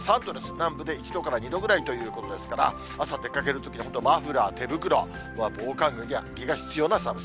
南部で１度から２度ぐらいということですから、朝、出かけるときにはマフラー、手袋、防寒具にはが必要な寒さ。